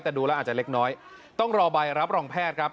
อาจจะเล็กน้อยต้องรอใบรับรองแพทย์ครับ